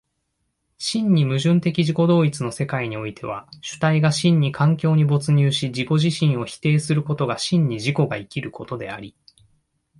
真に矛盾的自己同一の世界においては、主体が真に環境に没入し自己自身を否定することが真に自己が生きることであり、